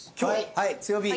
はい強火。